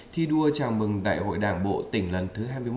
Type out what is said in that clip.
thi đua chào mừng đại hội đảng bộ tỉnh lần thứ hai mươi một